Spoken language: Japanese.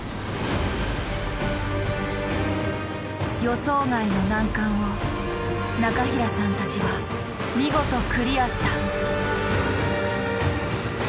予想外の難関を中平さんたちは見事クリアした。